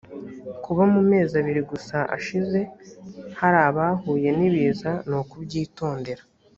kuba mu mezi abiri gusa ashize hari abahuye n’ibiza ni ukubyitondera